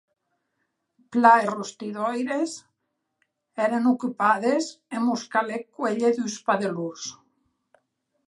Plan, es rostidoires èren ocupades e mos calèc cuélher dus padelons.